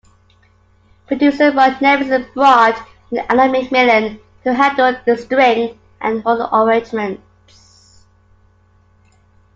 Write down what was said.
Producer Ron Nevison brought in Alan McMillan to handle the string and horn arrangements.